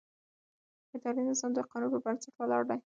اداري نظام د قانون پر بنسټ ولاړ دی.